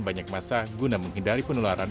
banyak masa guna menghindari penularan